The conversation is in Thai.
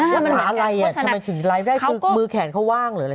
โฆษณาอะไรทำไมถึงไลฟ์ได้คือมือแขนเขาว่างหรืออะไร